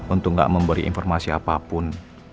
untuk gak memberi informasi apapun